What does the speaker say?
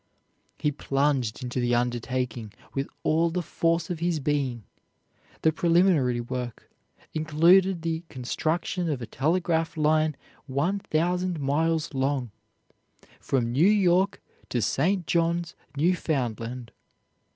He plunged into the undertaking with all the force of his being. The preliminary work included the construction of a telegraph line one thousand miles long, from New York to St. John's, Newfoundland.